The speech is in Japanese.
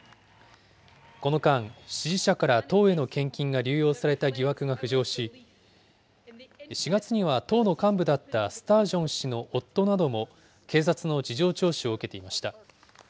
この間、支持者から党への献金が流用された疑惑が浮上し、４月には党の幹部だったスタージョン氏の夫なども警察の事情聴取を受けていました。